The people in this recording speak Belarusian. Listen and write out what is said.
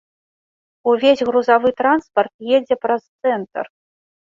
Увесь грузавы транспарт едзе праз цэнтр!